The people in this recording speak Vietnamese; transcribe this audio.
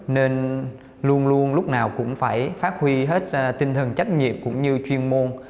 nên luôn luôn lúc nào cũng phải phát huy hết tinh thần trách nhiệm cũng như chuyên môn